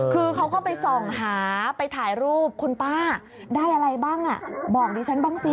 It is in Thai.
คือเขาก็ไปส่องหาไปถ่ายรูปคุณป้าได้อะไรบ้างบอกดิฉันบ้างสิ